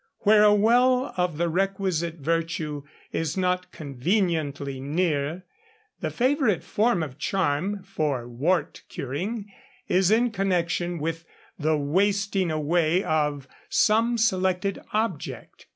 Where a well of the requisite virtue is not conveniently near, the favourite form of charm for wart curing is in connection with the wasting away of some selected object.